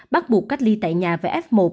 bắt buộc cách ly tại nhà về f một